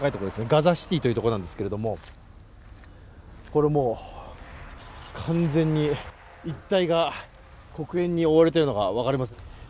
ガザシティというところですが、これ、もう、完全に一帯が黒煙に覆われているのが分かります。